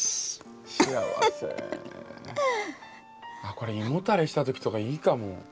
これ胃もたれした時とかいいかも。